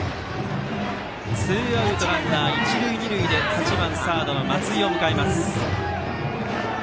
ツーアウトランナー、一塁二塁で８番サードの松井を迎えます。